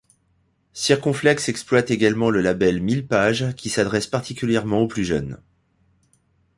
Circonflexe exploite également le label Millepages qui s'adresse particulièrement aux plus jeunes.